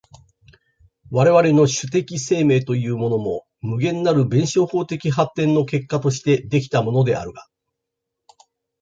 我々の種的生命というものも、無限なる弁証法的発展の結果として出来たものであるが、